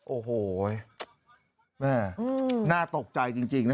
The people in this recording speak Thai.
โอ้โหน่าตกใจจริงนะครับ